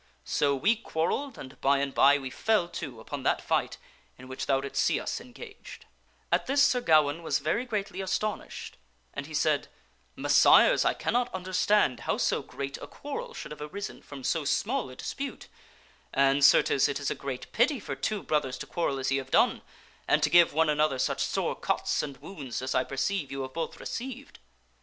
So we quarrelled, and by and by we fell to upon that fight in which thou did see us engaged." GAWAINE ADDRESSES THE BROTHER KNIGHTS 285 At this Sir Gawaine was very greatly astonished, and he said, " Mes sires, I cannot understand how so great a quarrel should have arisen from so small a dispute ; and, certes, it is a great pity for two brothers to quarrel as ye have done, and to give one another such sore cuts and wounds as I perceive you have both received."